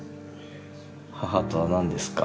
母とは何ですか？